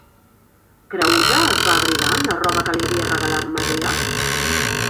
Creüsa es va abrigar amb la roba que li havia regalat Medea?